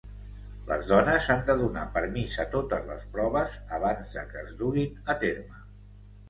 Les dones han de donar permís a totes les proves abans de que es duguin a terme.